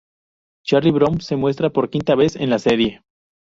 Charlie Brown se muestra por quinta vez en la serie.